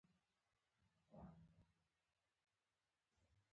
ډاکتر سرمید میزیر، وايي: "په دې توګه موږ